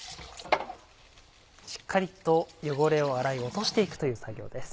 しっかりと汚れを洗い落として行くという作業です。